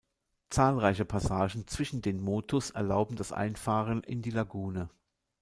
Zahlreiche Passagen zwischen den Motus erlauben das Einfahren in die Lagune.